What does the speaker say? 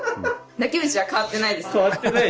泣き虫は変わってないですね。